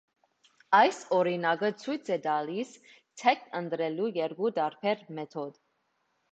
Այս օրինակը ցույց է տալիս թեգն ընտրելու երկու տարբեր մեթոդ։